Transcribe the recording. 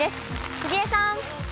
杉江さん。